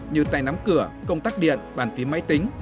như tay nắm cửa công tắc điện bàn phí máy tính